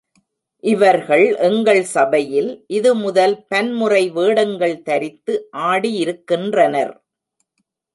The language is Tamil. இவர் எங்கள் சபையில், இது முதல் பன்முறை வேடங்கள் தரித்து ஆடியிருக்கின்றனர்.